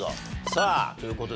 さあという事でね